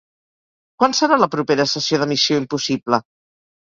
Quan serà la propera sessió de Missió: Impossible?